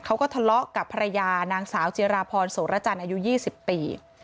เขาก็ทะเลาะกับภรรยานางสาวจิราพรโสรจันทร์อายุ๒๐ปี